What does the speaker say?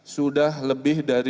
sudah lebih dari